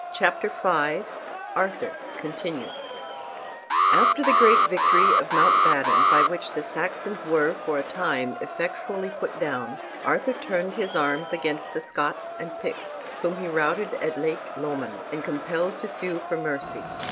CHAPTER V ARTHUR (Continued) After the great victory of Mount Badon, by which the Saxons were for the time effectually put down, Arthur turned his arms against the Scots and Picts, whom he routed at Lake Lomond, and compelled to sue for mercy.